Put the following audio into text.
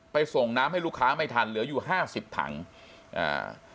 ส่งน้ำให้ลูกค้าไม่ทันเหลืออยู่ห้าสิบถังอ่า